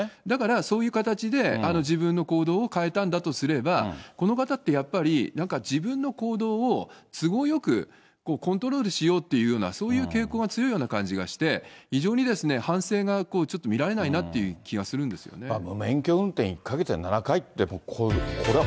だから、そういう形で自分の行動を変えたんだとすれば、この方って、やっぱりなんか自分の行動を都合よくコントロールしようっていうような、そういう傾向が強いような感じがして、非常に反省がちょっと見られないなっていう気がするんですよね。